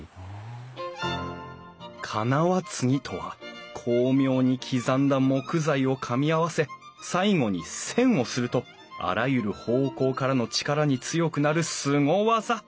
金輪継ぎとは巧妙に刻んだ木材をかみ合わせ最後に栓をするとあらゆる方向からの力に強くなるすご技。